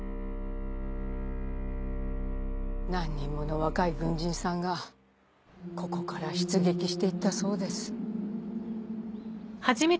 何人もの若い軍人さんがここから出撃して行ったそうです。